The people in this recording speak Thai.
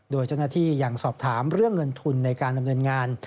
โดยเจ้าหน้าที่ยังสอบถามเรื่องเงินทุนในการดำเนินงาน